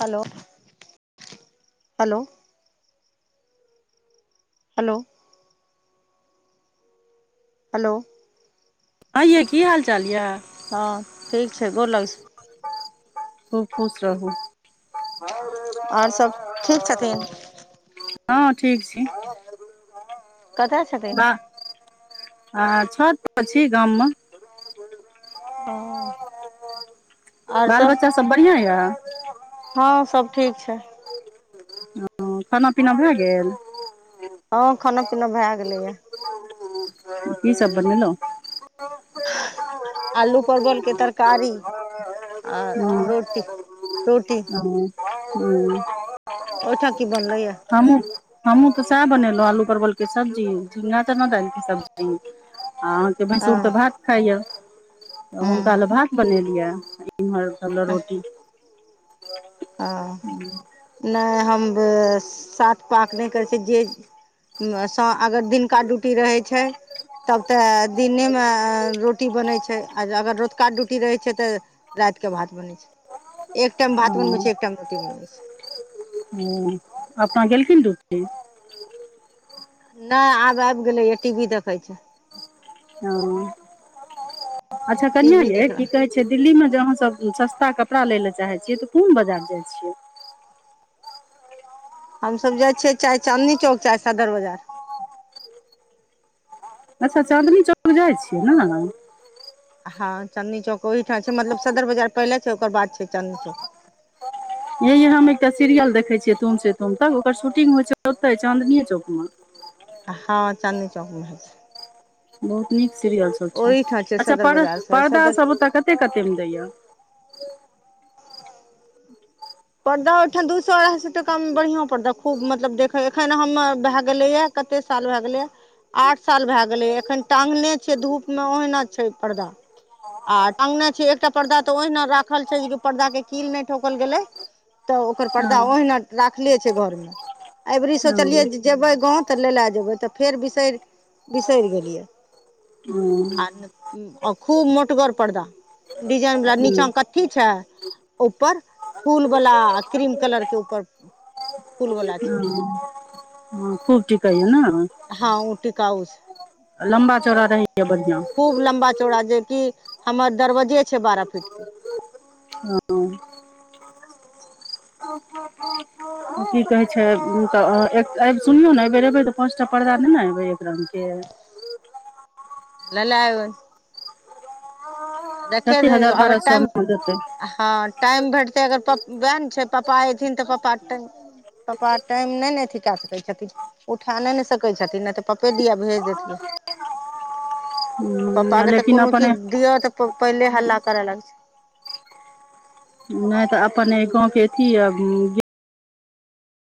hello hello hello hello हँ ये की हाल चाल यऽ हँ ठीक छै गोर लगै छै खूब खुश रहू आओर सब ठीक छथिन [unintelligible] हँ ठीक छै कतय छथिन वाह आ छत पर छी गाम मे हाँ बाल बच्चा सब बढ़ियां यऽ हँ सब ठीक छै हँ खाना पीना भए गेल हँ खाना पीना भए गेलैए कि सब बनेलउ आलू परवल के तारकारी आ रोटी रोटी हू ओहि ठाँ की बनलैए हमहूँ हमहूँ तऽ सएह बनेलहुँ आलू परवल के सब्जी झी्गा चना दालि के सब्जी आ हँ भेसूर तऽ भात खाइय हुनका लए हँ भात बनेलियै एम्हर [unintelligible] रोटी ह नहि हम साथ [unintelligible] करै छी जे स अगर दिनका ड्यूटी रहै छै तब तऽ दिनेमे रोटी बनै छै आ अगर रतुका ड्यूटी रहै छै तऽ रातिके भात बनैत छै एक टाइम भात बनबै छै एक टाइम रोटी बनबै छै ह अपना गेलेलखिन ड्यूटी नहि आब आबि गेलैय टी वी देखै छै ह अच्छा टी कन्या वी ये देख की रहल कहै छै छै दिल्लीमे जे अहाँसभ सस्ता कपड़ा लै लए चाहै छियै तऽ कोन बजार जाइ छियै हम सब जाइ छियै चाहे चाँदनी चौक चाहे सदर बजार अच्छा चाँदनी चौक जाइ छियै ने हँ चाँदनी चौक ओहिठाम छै मतलब सदर बाजार पहिले छै ओकर बाद छै चाँदनी चौक ये हम एकटा सीरियल देखे छियै तुम से तुम तक ओकर शूटिंग होय छै ओते चाँदनी चौकं हँ चाँदनी चौक मे होए छै बहुत नीक सीरियल सभ छै ओहिठाम अच्छा सदर बाजारसँ पर्दा सदर सभ ओतय कतेक कतेक मे दैए पर्दा ओहिठाम दू सए अढ़ाई सए टका मे बढ़ियां पर्दा खूब मतलब देखे एखन हम भए गेलैए कते साल भेगेले यह आठ साल भए गेलै एखन टाँगने छै धूपमे ओहिना छै पर्दा आ टंगना छै एकटा पर्दा तऽ ओहिना राखल छै जे पर्दा के कील नहि ठोकल गेले तऽ ओकर परर्दा ओहिना राखले छै घरमे एबरी सोचलियै जेबै गाँव तऽ ले लए जेबै तऽ फेर बिसरि बिसरि गेलियै आ आ खूब मोटगर पर्दा डिजाइन वालला नीचा मे कथी छै ऊपर वला क्रीम कलर के ऊपर फूल वाला छै ह खूब चिकन ह ने हँ उ टिकाउ छै लम्बा चोरा र हए बढ़िआ खूब लम्बा चौड़ा जे कि हमर दरवे ह ओह ओ [inaudible] की कहै छै त आबि सुनियौ ने एहिबेर अयबै त दोपाँच टा पर्दा ने ने अयबै एक रंग के नेने एबै देखे कते रहियो हजार अगर बारह सए टाइम मे देतै हँ टाइम भेटतै अगर प उएह ने छै पप्पा अयथिन त पप्पा टाइम पप्पा टाइम नहि ने अथी कए सकैत छथिन उठा नहि ने सकै छथिन नय त पप्पे दिया भेज देतियै हू पप्पा के त कोनो चीज दियऔ त पहिले हल्ला करे लगे छै नहि त अपन गाँवके अथी अ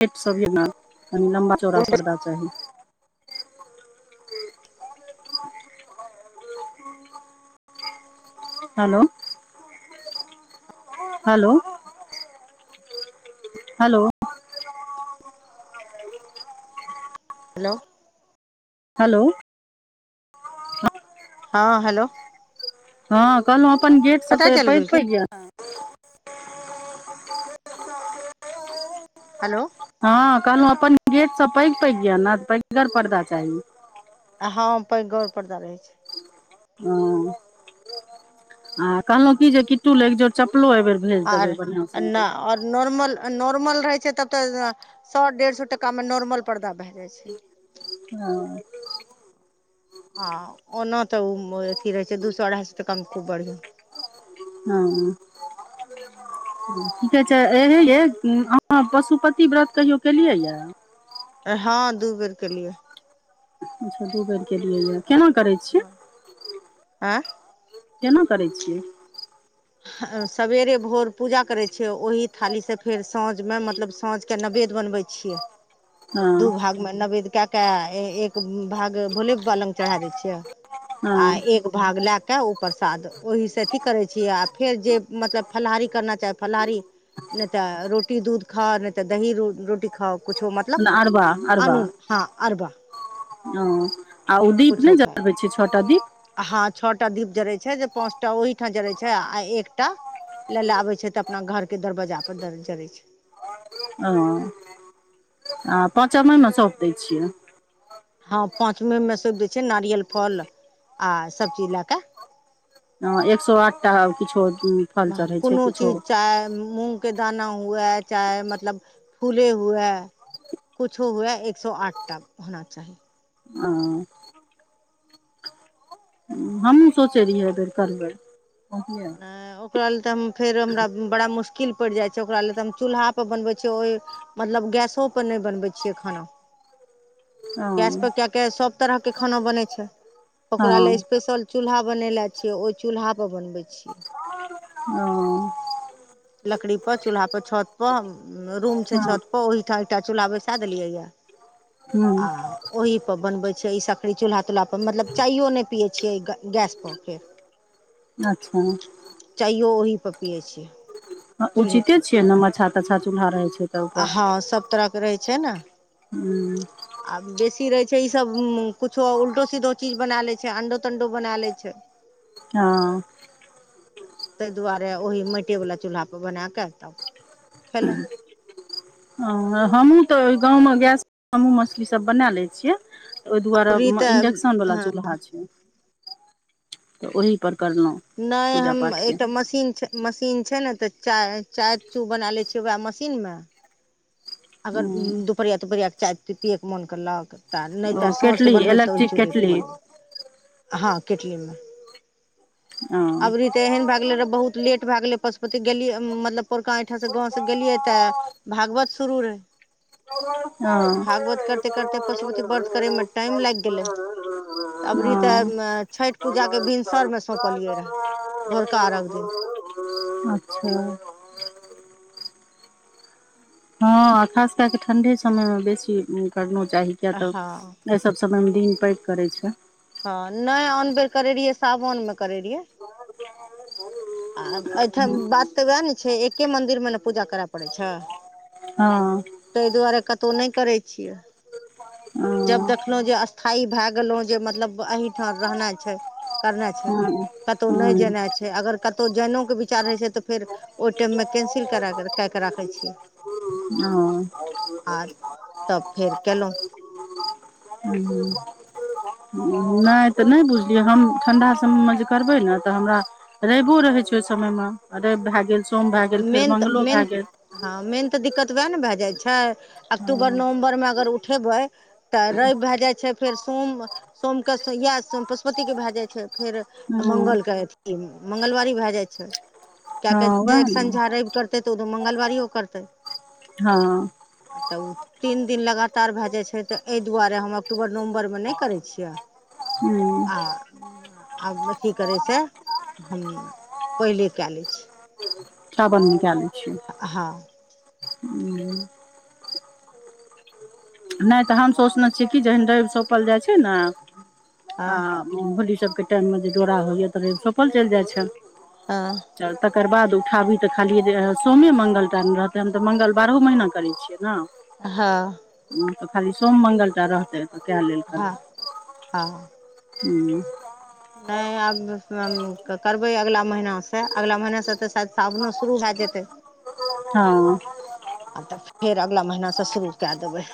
पेट सब य ना कनि लम्बा चौड़ा पर्दा चाही hello hello hello hello hello हँ हेलो हँ कहलहु अपन गेट सब कतय ते चलि पैघ गेलखिन पैग य हलो हँ कहलहुँ अपन गेट सभ पैग पैग य ने पैघगर पर्दा चाही आ ह पैगगर पर्दा रहे छै ह आ कहलहु की जे किट्टु ल एक जोड़ चप्पलो एहि बेर भेज आर देबै बढ़िआँ न सनके आओर नॉर्मल नॉर्मल रहै छै तब त सौ डेढ़ सौ टकामे नॉर्मल पर्दा भए जाइ छै हँ हँ ओना त ओ अथी रहै छै दू सए अढ़ाई सए टकामे खूब बढ़िआं हँ [inaudible] क कहे छै एहे ये अहाँ पशुपति व्रत कहियो केलियै यए हँ दू बेर केलिए अच्छा दू बेर केलियै य केना करैत छ एअ केना करै छियै सेवेरे भोर पूजा करै छियै ओही थालीसँ फेर साँझमे मतलब साँझके नवेद बनबै छियै हँ दू भागमे नवेद्य क क एक भाग भोले बाबा लग चढ़ा दै छियै हँ आ एक भाग लए क ओ प्रसाद ओहीसँ अथी करै छियै आ फेर जे मतलब फलाहारी करना चाही फलाहारी नहि त रोटी दूध खाओ नहि त दही रोटी खाओ कुछो म आरबा अनून हँ अरबा ओ आ उ दीप कुछो नै जरबै खाउ छिये छ ओटा दीप हँ छओटा दीप जड़ैत छै जे पाँच टा ओहिठाम जरै छै आ एकटा ले ले आबे छै तऽ अपना घर के दरवजा पर जड़े छै अ हँ पाँचममे सौंप दै छियै हँ पाँचमे मे सब दै छिये नारियल फल आ सब चीज लए कऽ हँ एक सौ आठ टा किछो की कोनो चीज चाहे मूँगके दाना हुए चाहे मतलब फूले हुए कुछो हुए एक सौ आठटा होना चाही अ हमहूँ सोचै रहियै एहिबेर करबे ओकरा लेल तऽ हम फेर हमरा बड़ा मुश्किल पड़ि जाइ छै ओकरा लेल तऽ हम चूल्हापर बनबै छियै ओइ मतलब गैसो पर नहि बनबै छियै खाना गैस पर हँ कियाके सब तरहके खाना बने छै ओकरा लेल हँ स्पेशल चूल्हा बनेेले छियै ओहि चूल्हा पर बनबै छियै ओ लकड़ी पर चूल्हा पर छत पर रूम छै हँ छत पर ओहि ठाम एकटा चूल्हा बैसा देलियै या हूँ आ ओहिपर बनबै छै ई सकरी चल्हाुल्हाप मलब चायओ नहि पिये छियै गे गैसपर फेर अच्छा चायो ओहिप पियै छियै हँ उचिते चूल्हेके छियै न मच्छा ताछा चूलहा रहै छै तऽ आ ओकर हँ सभ तरहके रहै छै न आ बेसी रहे छै ईसभ कुछो उल्टो सीधो चीज बना ले छै अंडो तंडो बना लै छै हँ तहि दुआरे ओहि माटे वला चूल्हापर बना कऽ तब [inaudible] खेलहुँ हँ हमहूँ तऽ ओहि गाँवमे गैस हमहूँ मछलीसभ बनै लै छियै ओहि दुआरे अबरी तऽ इन्डक्शनवला चूल्हा छै तऽ ओहि पर करलहुँ नहि पूजा हम पाठके एकटा मशीन छै मशीन छै न तऽ चाय चाय चू बना लै छियै वएह मशीन मऽ अगर दुपहरिया तुपहरियाके चाय पियेके मोन करलक तऽ नहि ओ तऽ साँझके केटली बनबै तऽ ओहि इलेक्ट्रिक चूल्हहिपर केटली बनबै हँ केटली मऽ ओ त एहन भए गेलै रहऽ बहुत लेट भए गेलै पशुपति गेलीये मतलब पोरका एसि ठाम सँ गाँव से गेलियै तऽ भागवत शुरू रहै भागवत करते करते पशुपति ओ व्रत करयमे टाइम लागि गेलै अबरी ओ तऽ छठि पूजाके भिनसरमे सौंपलियै रहए [inaudible] भोरका अर्घ दिन अच्छा हँ खास कए कऽ ठण्ढे समयमे बेसी करनो चाही किएक तऽ हँ एहि सब समयमे दिन पैग करै छैय हँ नहि अन बेर करे रहियै सावन मे करे रहियै [unintelligible] आ एहिठाम बात तऽ वएह ने छै एके मंन्दिर मऽ न पूजा करय पड़ैत छै हँ ताहि दुआरे कतहु नहि करै छियै [inaudible] जब देखलहुँ जे स्थायी भए गेलहु जे मतलब एही ठाम रहनाइ छैय करनाय छैय कतौह नहि हँ जेना छै अगर केतौ जइनोके विचार होइ छैय तऽ फेर ओहि टाइममे कैंसिल कर कए कऽ राखै छीयै ओ [unintelligible] तब फेर कयलहुँ नैर त नहि बुझलियै हम ठण्डा समयमे जे करबै ने त हमरा रेवो रहै छैय ओहि समयमे रैव भए गेल सोम भए गेल फेर मेन तऽ मंगलो मेन भए गेल हँ मेन त दिक्कत उएह ने भए जाइ छैय अक्टूबर हँ नवम्बर मे अगर उठेबै त रैव भए जाइ छैय फेर सोम सोमके शुयै पशुपतिके भए जाइ छैय फेर हँ मंगलके अथी ई मंलवारी भए जाइ छैय हँ उएह न रैव करते त ओ मंगलवारियो करतै हँ त ओ तीन दिन लगातार भए जाय छैय त एहि दुआरे हम अक्टूबर नवम्बर नैय करै छी यै ह आब अथी करै हम पहिले कए लै छी सावन में के लै छियै हँ [inaudible] नैय त हम सोचने छियै कि जहन रैव सौंपल जाइ छैय न आ हँ होली सभके टाइममे जे डोड़ा होइए त रैव‌ सोपल चैल जाय छैन आँ तकर बाद उठाबी त खालियए जे सोमे मंगल टा न रहते हम त मंगल बारहो महीना करै छी छियै न हँ ह त खाली सोम मंगल टा रहतै त के लेल हँ करतै हँ हू नहि आब करबै अगिला महिनासँ अगला महहिनासँ त शायद सावनो शुरू भए जेतै हँ आ त फेर अगला महिनासँ शुरू कए देबै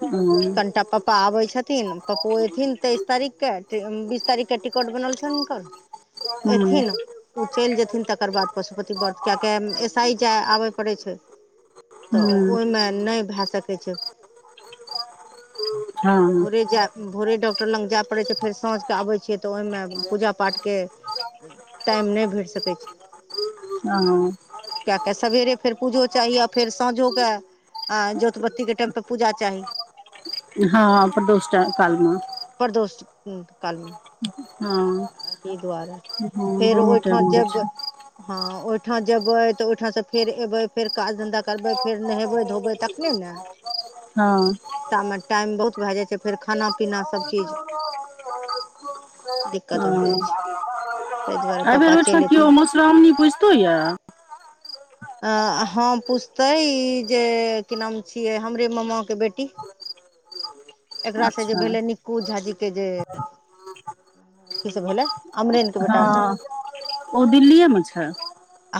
हँ कनिटा पप्पा आबै छथिन पप्पो अयथिन तेइस तारीख के बीस तारीख के टिकट बनल छन हुनकर हूँ एथि न ओ चलि जेथिन तकर बाद पशुपति वर्त केएके ऐसा ह जाय आबय पड़ै छै त हूँ ओहिमे नहि भए सकै छै हँ भोरे जाय भोरे डॉक्टर लग जाय पड़ै छै फेर साँझकेँ आबै छियै त ओहिमे पूजा पाठके टाइम नहि भेट सकैत छै ह कए क सवेरे फेर पूजो चाही आ फेर साँझोके आ जोतबत्तीके टाइमपर पूजा चाही हँ प्रदोषटा काल मे प्रदोष काल मे हँ अही द्वारे हँ फेर दुनू टाइम ओहिठाम होइ जेबै छै हँ ओहिठाम जेबै त ओहिठाम से फेर एबै फेर काज धंधा करबै फेर नेहेबै धोबै तखने न नैय तामे टाइम बहुत भए जाइ छै फेर खाना पीना सबचीज दिक्कत भए जाइ छै ताहि दुआरे एहि बेर पप्पा ओइ काम चलि अयथिन खेतों म श्रामणी पुइजतो य हँ पुजतै इ जे की नाम छियै हमरे मामा के बेटी एकरा से जे अच्छा भेले निक्कु झाँझी के जे अथीसँ भेलै अमरेनके बेटासँ हँ ओ दिल्लीए मे छै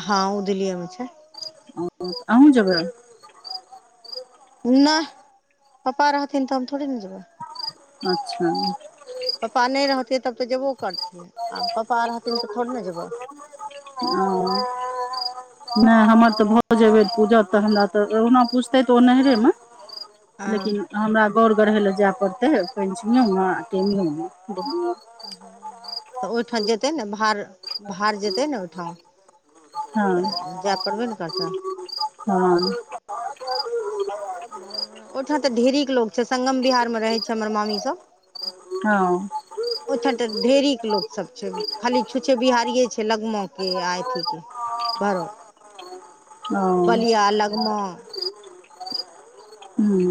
हँ ओ दिल्ली मे छै ओ अहूँ जबै नहि पप्पा रहथिन त हम थोड़े ने जेबै अच्छा पापा नहि रहथी तब त जेबो करथिन आ पप्पा रहथिन त थोड़े ने जेबह हं नहि हमर त भ जेबे पूजा त हमरा त ओहना पुछते त ओ नैहरे मे ह [inaudible] लेकिन हमरा गौर गढ़य लए जाय पड़तै पंचमीयो मे आ टेमियोमे त ओहिठा जेतै ने भार भार जेतै ने ओहिठाम हँ त जायपर बे नहि करते हँ ओहिठा त ढेरिक लोक छै संगम बिहार मे रहै छै हमर मामी सब हँ ओहिठा त ढे़रिक लोक सब छै खाली छुछे बिहारिए छै लगमो के आ अथी के भरल ओ बलिया लगमा हू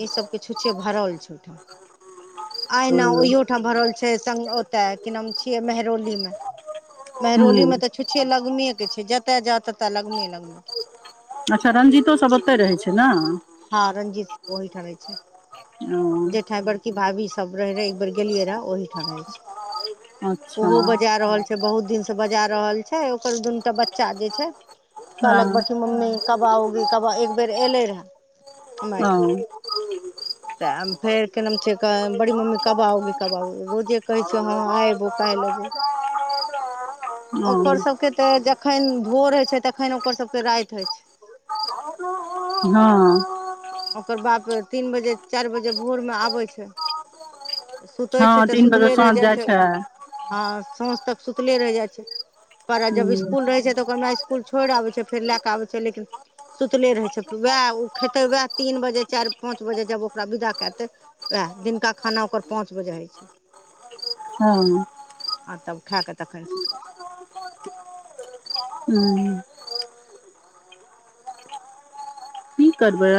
ई सबके छुछे भरल छै ओहिठा ओ आयना ओहियो ठाम भरल छै ओतय कि नाम छियै मेहरोली मे मेहरोली मे हुँ त छुछे लगमे के छै जते जाय तते लगमे लगमे के अच्छा रंजीतो सब ओते रहै छै ने हँ रणजीत ओहिठा रहे छै ओ जेठा बड़की भाभी सब रहे रहे एक बेेर गेलियै रहे ओहिठा रहय छै अच्छा ओहो बजाए रहल छै बहुत दिन सँ बजाए रहल छै ओकर दुनू टा बच्चा जे छै कहलक हँ बड़की मम्मी कब आओगी कब एक बेर एले रहै हॅ तऽ फेर की नाम छै बड़ी मम्मी कब आओगी कब आओगी रोजे कहै छियै हँ आइ एबौ काल्हि एबौ [unintelligible] [unintelligible] ओकर सबके ते जखन भोर होय छैय तखन ओकर सबके राति होइ छैए हँ [unintelligible] ओकर बाप तीन बजे चारि बजे भोरमे आबै छैए सुतै छैय हँ तऽ तीन बजे सुतले रहि साँझ जाय जाइ छैए छै हँ सांझ तक सुतले रहि जाय छैय पर जब हूँ स्कूल रहे छैए तऽ इस्कुल छोड़ि आबै छैय फेर लए कऽ आबै छैय लेकिन सुतले रहै छैय ओएह ओ खेतै वैएह तीन बजे चारि पाँंच बजे जब ओकरा विदा कते वएह दिनका खाना ओकर पाँंच बजे होइ छैय [inaudible] [inaudible] आ तब खा कऽ तखन हू की करबै